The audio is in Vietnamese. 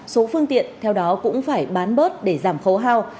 số phương tiện theo đó cũng phải bán bớt để giảm khấu hao